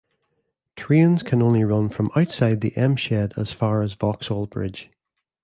Trains can only run from outside the M Shed as far as Vauxhall Bridge.